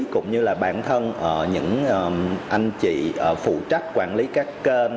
cũng như là bản thân những anh chị phụ trách quản lý các kênh